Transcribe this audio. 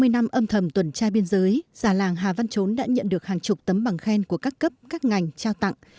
hai mươi năm âm thầm tuần trai biên giới già làng hà văn chốn đã nhận được hàng chục tấm bằng khen của các cấp các ngành trao tặng